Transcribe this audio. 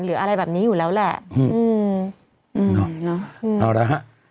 หรืออะไรแบบนี้อยู่แล้วแหล่ะ